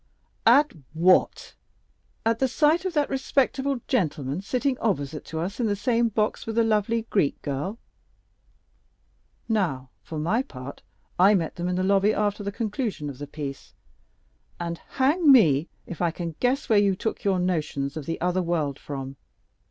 "At what? At the sight of that respectable gentleman sitting opposite to us in the same box with the lovely Greek girl? Now, for my part, I met them in the lobby after the conclusion of the piece; and hang me, if I can guess where you took your notions of the other world from.